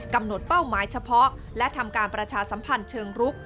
เป้าหมายเฉพาะและทำการประชาสัมพันธ์เชิงรุก